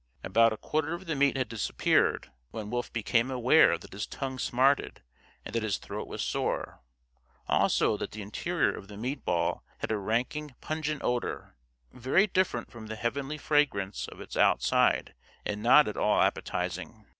About a quarter of the meat had disappeared when Wolf became aware that his tongue smarted and that his throat was sore; also that the interior of the meat ball had a ranky pungent odor, very different from the heavenly fragrance of its outside and not at all appetizing.